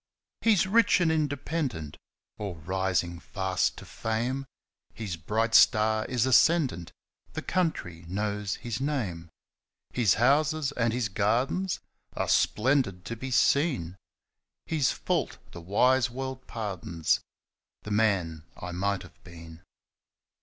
He's rich and independent, Or rising fast to fame; His bright star is ascendant, The country knows his name; His houses and his gardens Are splendid to be seen; His fault the wise world pardons The man I might have been.